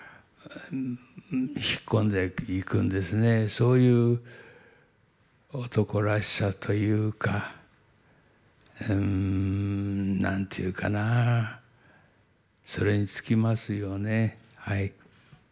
そういう男らしさというか何て言うかなそれに尽きますよねはい。